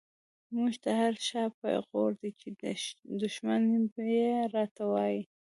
مونږ ته هر “شابه” پیغور دۍ، چی دشمن یی راته وایی